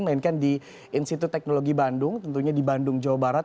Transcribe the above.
mainkan di institut teknologi bandung tentunya di bandung jawa barat